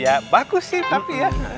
ya bagus sih tapi ya